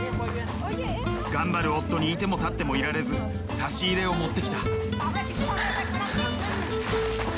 頑張る夫に居ても立ってもいられず差し入れを持ってきた。